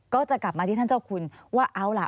ก็จะกลับมาที่ท่านเจ้าคุณว่าเอาล่ะ